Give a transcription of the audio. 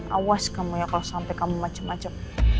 awas kamu ya kalau sampai kamu macam macam